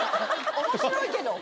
面白いけど。